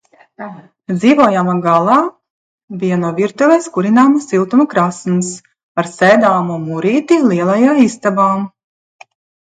Dzīvojamā galā bija no virtuves kurināma siltuma krāsns ar sēdamo mūrīti lielajā istabā.